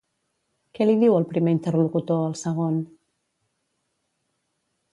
Què li diu el primer interlocutor al segon?